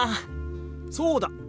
そうだ！